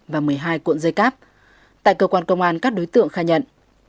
và một mươi hai cuộn dây cáp tại cơ quan công an các đối tượng khai nhận